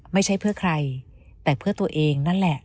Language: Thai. ไม่ใช่เพื่อใครแต่เพื่อตัวเองนั่นแหละ